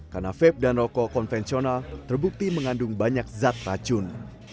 karena veb dan rokok konvensional terbukti mengandung banyak zat racun